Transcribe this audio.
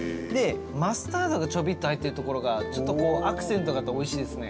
マスタードがちょびっと入ってるところがちょっとアクセントがあっておいしいですね。